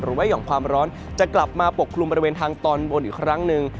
หย่อมความร้อนจะกลับมาปกคลุมบริเวณทางตอนบนอีกครั้งหนึ่ง